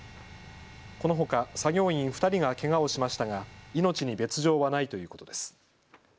このほか作業員２人がけがをしましたが命に別状はないということです。